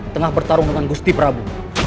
tengah bertarung dengan gusti prabu